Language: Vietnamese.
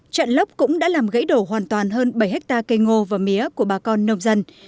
trận lốc cũng đã làm gãy đổ hoàn toàn hơn bảy hectare cây ngô và mía của bà con nông dân